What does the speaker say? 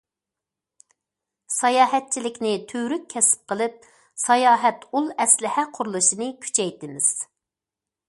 ساياھەتچىلىكنى تۈۋرۈك كەسىپ قىلىپ، ساياھەت ئۇل ئەسلىھە قۇرۇلۇشىنى كۈچەيتىمىز.